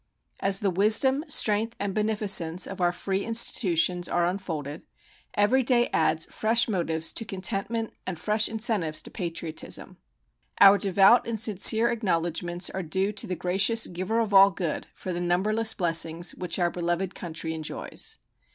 As the wisdom, strength, and beneficence of our free institutions are unfolded, every day adds fresh motives to contentment and fresh incentives to patriotism. Our devout and sincere acknowledgments are due to the gracious Giver of All Good for the numberless blessings which our beloved country enjoys.